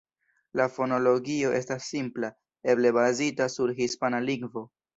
La fonologio estas simpla, eble bazita sur hispana lingvo.